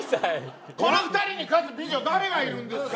この２人に勝つ美女誰がいるんですか？